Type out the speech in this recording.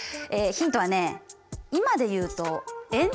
ヒントはね